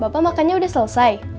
bapaknya makannya udah selesai